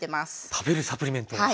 食べるサプリメントか。